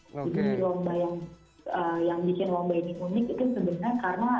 jadi lomba yang bikin lomba ini unik itu sebenarnya karena